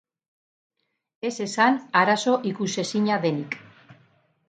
Ez esan arazo ikusezina denik.